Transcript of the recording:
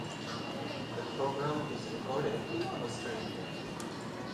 The program is recorded in Costa Rica.